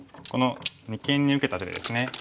この二間に受けた手でですね。